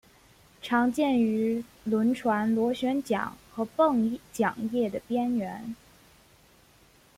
常见于轮船螺旋桨和泵桨叶的边缘。